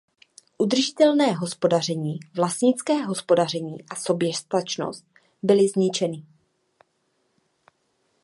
Udržitelné hospodaření, vlastnické hospodaření a soběstačnost byly zničeny.